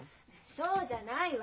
そうじゃないわ。